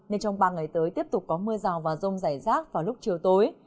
nên trong ba ngày tới tiếp tục có mưa rào và rông rải rác vào lúc chiều tối